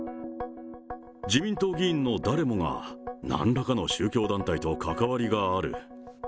自民党議員の誰もが、なんらかの宗教団体と関わりがある。